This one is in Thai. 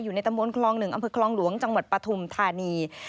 อยู่ในตระบวนครองหนึ่งอำทศครองหลวงจังหวัดปธุมธานี